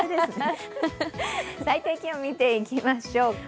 最低気温見ていきましょうか。